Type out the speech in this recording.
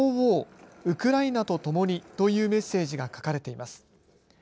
ウクライナとともにというメッセージが書かれています。